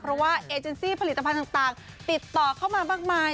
เพราะว่าเอเจนซี่ผลิตภัณฑ์ต่างติดต่อเข้ามามากมาย